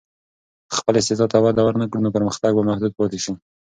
که خپل استعداد ته وده ورنکړې، نو پرمختګ به محدود پاتې شي.